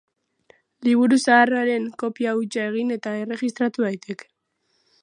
Liburu zahar haren kopia hutsa egin eta erregistratu daiteke.